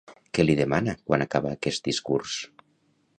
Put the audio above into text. Què li demana quan acaba aquest discurs?